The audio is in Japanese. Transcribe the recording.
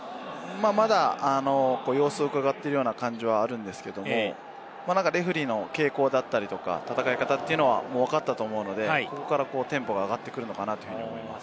まだ様子をうかがっているような感じはあるんですけど、レフェリーの傾向だったりとか、戦い方というのはもうわかったと思うので、ここからテンポが上がってくるのかなと思います。